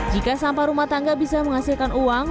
jika sampah rumah tangga bisa menghasilkan uang